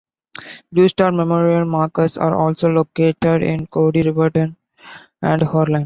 Blue Star Memorial markers are also located in Cody, Riverton and Worland.